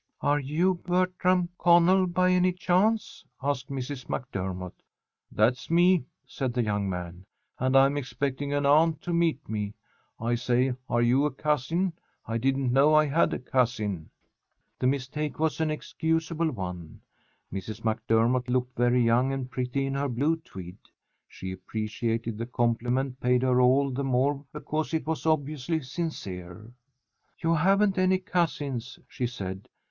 "Are you Bertram Connell, by any chance?" asked Mrs. MacDermott. "That's me," said the young man, "and I'm expecting an aunt to meet me. I say, are you a cousin? I didn't know I had a cousin." The mistake was an excusable one. Mrs. MacDermott looked very young and pretty in her blue tweed. She appreciated the compliment paid her all the more because it was obviously sincere. "You haven't any cousins," she said.